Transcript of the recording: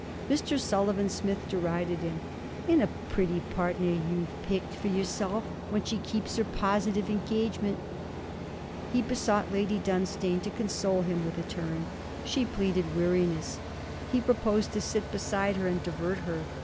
Mr. Sullivan Smith derided him. 'And a pretty partner you've pickled for yourself when she keeps her positive engagement!' He besought Lady Dunstane to console him with a turn. She pleaded weariness. He proposed to sit beside her and divert her.